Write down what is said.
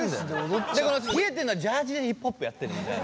冷えてるのはジャージでヒップホップやってるみたいな。